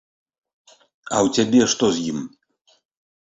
А ў цябе што з ім?